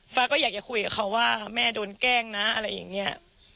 ฟ้าก็อยากจะคุยกับเขาว่าแม่โดนแกล้งนะอะไรอย่างนี้